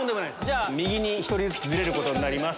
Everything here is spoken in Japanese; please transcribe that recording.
じゃあ右に１人ずつずれることになります。